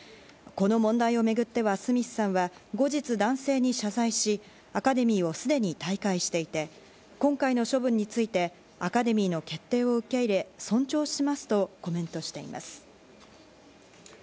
この問題をめぐってはスミスさんは後日、男性に謝罪し、アカデミーをすでに退会していて、今回の処分について、アカデミーの決定を受け入れ、尊重しますとコメントしています。